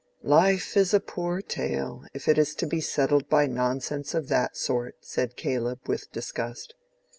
"Life is a poor tale, if it is to be settled by nonsense of that sort," said Caleb, with disgust.